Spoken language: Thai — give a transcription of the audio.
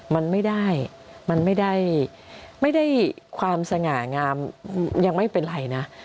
มันไม่ได้มันไม่ได้ความสง่างามยังไม่เป็นไรนะ